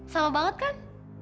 sama banget kan